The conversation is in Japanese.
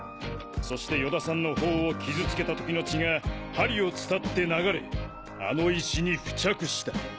そして与田さんの頬を傷つけた時の血が針をつたって流れあの石に付着した。